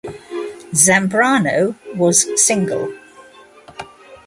Zambrano was single.